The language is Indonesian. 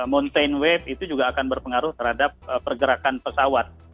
mountain wave itu juga akan berpengaruh terhadap pergerakan pesawat